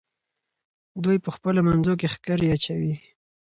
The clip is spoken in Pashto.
دوی په خپلو منځو کې ښکرې اچوي.